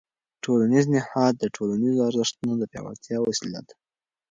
ټولنیز نهاد د ټولنیزو ارزښتونو د پیاوړتیا وسیله ده.